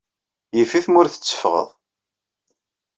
Yif-it ma ur tetteffɣeḍ.